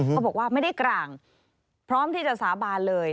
เขาบอกว่าไม่ได้กลางพร้อมที่จะสาบานเลย